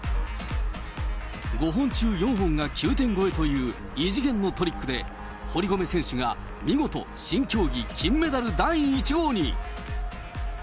５本中４本が９点超えという異次元のトリックで、堀米選手が見事、新競技金メダル第１号に。